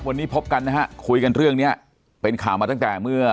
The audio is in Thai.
วันนี้พบกันนะฮะคุยกันเรื่องเนี้ยเป็นข่าวมาตั้งแต่เมื่อ